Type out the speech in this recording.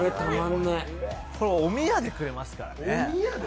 これ、おみやでくれますからね。